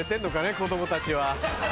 子供たちは。